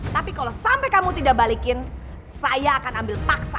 tapi kalau sampai kamu tidak balikin saya akan ambil paksa